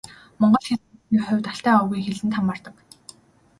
Монгол хэл гарлын хувьд Алтай овгийн хэлэнд хамаардаг.